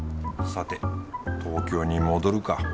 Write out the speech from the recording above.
さて東京に戻るか